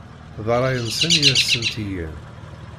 D ṛṛay-nsen i asen-tt-igan.